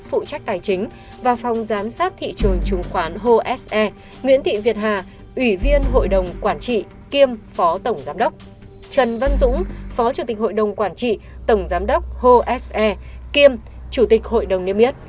phụ trách tài chính và phòng giám sát thị trường chứng khoán hose nguyễn thị việt hà ủy viên hội đồng quản trị kiêm phó tổng giám đốc trần văn dũng phó chủ tịch hội đồng quản trị tổng giám đốc hose kiêm chủ tịch hội đồng niêm yết